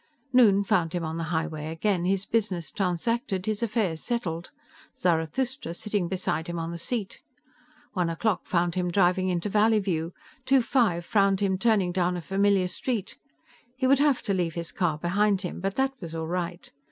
Noon found him on the highway again, his business transacted, his affairs settled, Zarathustra sitting beside him on the seat. One o'clock found him driving into Valleyview; two five found him turning down a familiar street. He would have to leave his car behind him, but that was all right.